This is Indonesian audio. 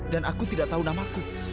dan aku tidak tahu nama aku